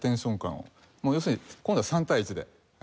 もう要するに今度は３対１で。